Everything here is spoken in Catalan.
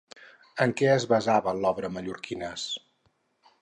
En què es basava l'obra Mallorquines?